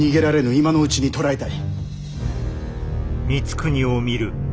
今のうちに捕らえたい。